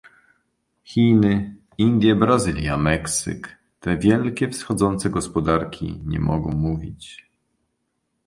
Chiny, Indie, Brazylia, Meksyk - te wielkie wschodzące gospodarki - nie mogą mówić